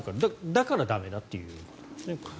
だから駄目だということですね。